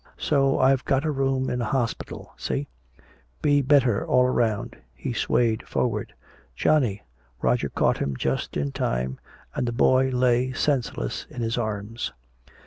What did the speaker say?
So I've got a room in a hospital! See? Be better all round!" He swayed forward. "Johnny!" Roger caught him just in time, and the boy lay senseless in his arms.